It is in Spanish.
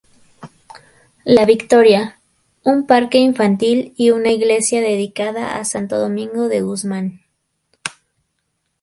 La Victoria—, un parque infantil y una iglesia dedicada a Santo Domingo de Guzmán.